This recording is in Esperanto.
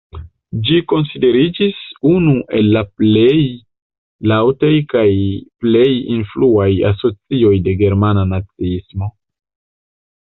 Ĝi konsideriĝis unu el la plej laŭtaj kaj plej influaj asocioj de germana naciismo.